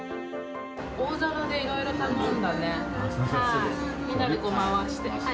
大皿でいろいろ頼んだよね、みんなで回して。